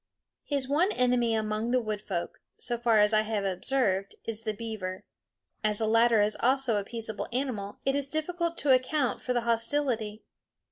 His one enemy among the wood folk, so far as I have observed, is the beaver. As the latter is also a peaceable animal, it is difficult to account for the hostility.